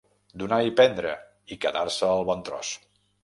Donar i prendre, i quedar-se el bon tros.